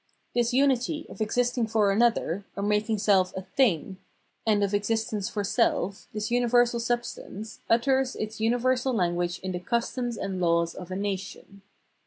This unity of existing for another, or making self a " thing," and of existence for self, this universal substance, utters its universal language in the customs and laws of a nation.